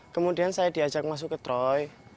kemudian saya diajak masuk ke troy